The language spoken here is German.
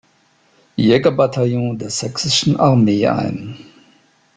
Jägerbataillon der Sächsischen Armee ein.